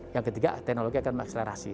yang ketiga teknologi akan mengakselerasi